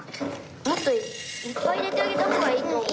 もっといっぱいいれてあげたほうがいいとおもうよ。